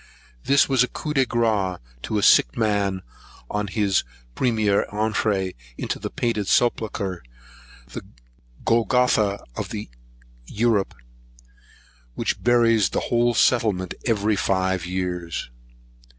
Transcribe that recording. This was a coup de grace to a sick man on his premier entree into this painted sepulchre, this golgotha of Europe, which buries the whole settlement every five years.